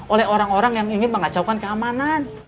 oleh orang orang yang ingin mengacaukan keamanan